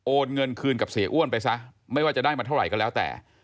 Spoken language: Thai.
เงินคืนกับเสียอ้วนไปซะไม่ว่าจะได้มาเท่าไหร่ก็แล้วแต่